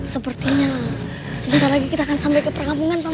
paman sepertinya sebentar lagi kita akan sampai ke pergabungan paman